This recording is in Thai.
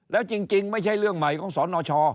แล้วจริงไม่ใช่เรื่องใหม่ของสนช